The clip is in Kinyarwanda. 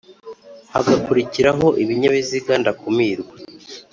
hagakurikiraho Ibinyabiziga ndakumirwa